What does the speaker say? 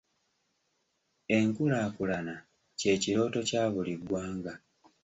Enkulaakulana kye kirooto kya buli ggwanga.